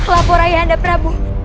lapor ayah anda prabu